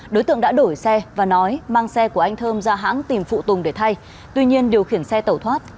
đối tượng đã đổi xe và nói mang xe của anh thơm ra hãng tìm phụ tùng để thay tuy nhiên điều khiển xe tẩu thoát